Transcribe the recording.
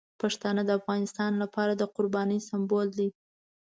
پښتانه د افغانستان لپاره د قربانۍ سمبول دي.